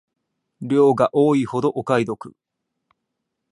量が多いほどお買い得